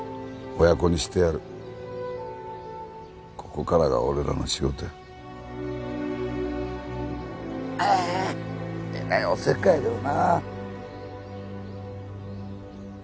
親子にしてやるここからが俺らの仕事やえらいおせっかいやけどな